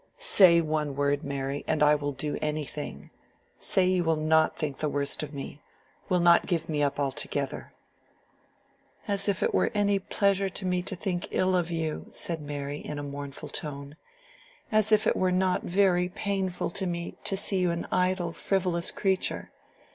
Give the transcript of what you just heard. "Say one word, Mary, and I will do anything. Say you will not think the worst of me—will not give me up altogether." "As if it were any pleasure to me to think ill of you," said Mary, in a mournful tone. "As if it were not very painful to me to see you an idle frivolous creature.